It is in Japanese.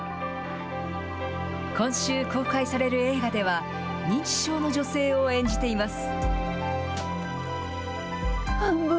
今週公開される映画では、認知症の女性を演じています。